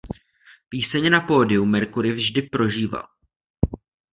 Píseň na pódiu Mercury vždy prožíval.